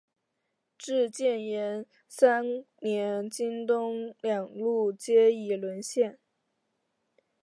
至建炎三年京东两路皆已沦陷。